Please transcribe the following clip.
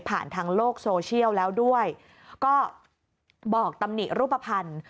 ทางโลกโซเชียลแล้วด้วยก็บอกตำหนิรูปภัณฑ์